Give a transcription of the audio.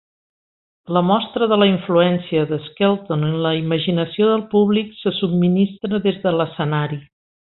La mostra de la influència de Skelton en la imaginació del públic se subministra des de l'escenari.